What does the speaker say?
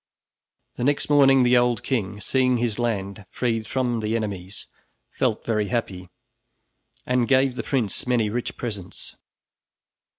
The next morning, the old king, seeing his land freed from the enemies, felt very happy, and gave the prince many rich presents.